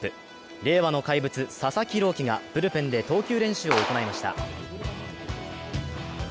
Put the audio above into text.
令和の怪物・佐々木朗希がブルペンで投球練習を行いました。